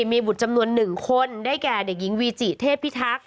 มีบุตรจำนวน๑คนได้แก่เด็กหญิงวีจิเทพิทักษ